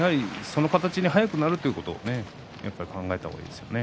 その形に早くなることを考えた方がいいですね。